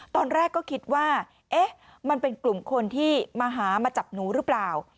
ตอนแรกก็คิดว่าเอ๊ะมันเป็นกลุ่มคนที่มาหามาจับหนูหรือเปล่า